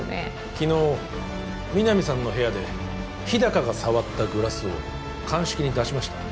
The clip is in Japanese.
昨日皆実さんの部屋で日高が触ったグラスを鑑識に出しました